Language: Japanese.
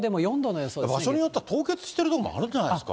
場所によっては凍結している所もあるんじゃないですか？